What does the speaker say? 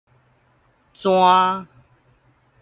逝